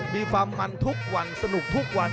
มีความมันทุกวันสนุกทุกวัน